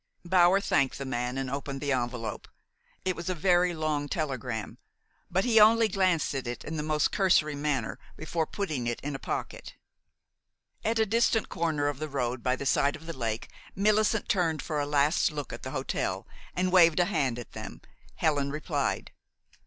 Bower thanked the man, and opened the envelop. It was a very long telegram; but he only glanced at it in the most cursory manner before putting it in a pocket. At a distant corner of the road by the side of the lake, Millicent turned for a last look at the hotel and waved a hand at them. Helen replied.